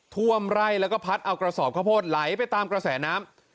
ท่วมไร่แล้วก็พัดเอากระสอบข้าวโพดไหลไปตามกระแสน้ำ